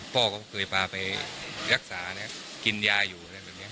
พ่อก็เคยไปรักษากินยาอยู่